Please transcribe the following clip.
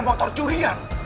dia penadah motor curian